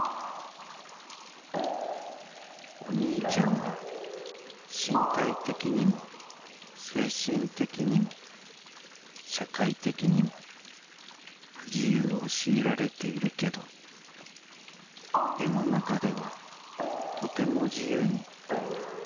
「お兄ちゃんは身体的にも精神的にも社会的にも不自由をしいられているけど絵の中ではとても自由にとてものびのびと生きていると思う。